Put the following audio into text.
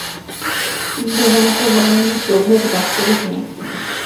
বেদান্ত বলেন, এই প্রভেদ বাস্তবিক নাই।